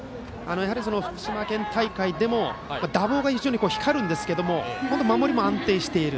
やはり福島県大会でも打棒が非常に光るんですけども守りも安定している。